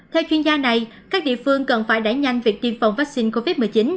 theo chuyên gia này các địa phương cần phải đẩy nhanh việc tiêm phòng vaccine covid một mươi chín